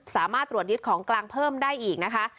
สามารถตรวจยึดของกลางเพิ่มได้อีกนะคะ